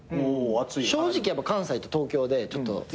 正直やっぱ関西と東京でちょっと。